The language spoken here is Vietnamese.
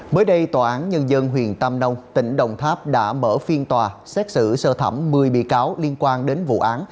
mới đây tòa án nhân dân huyện tam nông tỉnh đồng tháp đã mở phiên tòa xét xử sơ thẩm một mươi bị cáo liên quan đến vụ án